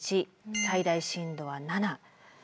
最大震度は７。